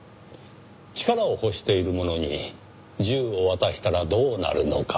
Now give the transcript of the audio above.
力を欲している者に銃を渡したらどうなるのか。